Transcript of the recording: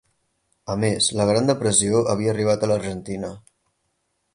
A més, la Gran Depressió havia arribat a l'Argentina.